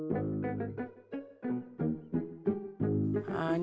tidak ada yang bisa diadalkan